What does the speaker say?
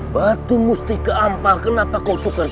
batu musti keampah kenapa kau tuker gini